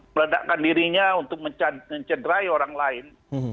meledakkan dirinya untuk mencederai orang lain